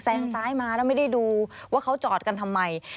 งซ้ายมาแล้วไม่ได้ดูว่าเขาจอดกันทำไม